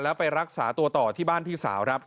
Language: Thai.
และไปรักษาตัวต่อที่บ้านพี่สาว